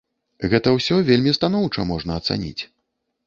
Гэта ўсё вельмі станоўча можна ацаніць.